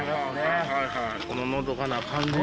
こののどかな感じ。